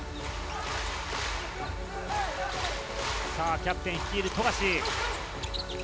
キャプテン率いる富樫。